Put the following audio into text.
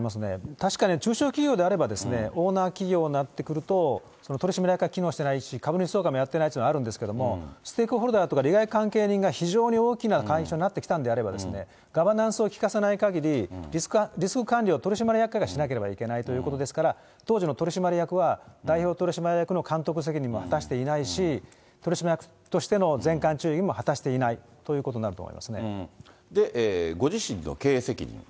確かに中小企業であれば、オーナー企業になってくると、取締役会が機能してないし、株主総会もやっていないというのはあるんですけれども、ステークホルダーとか、利害関係人が非常に大きな会社になってきたんであれば、ガバナンスをきかないかぎり、リスク管理を取締役会がしなければならないということですから、当時の取締役は、代表取締役の監督責任も果たしていないし、取締役としての善管注意も果たしていないというご自身の経営責任。